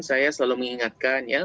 saya selalu mengingatkan ya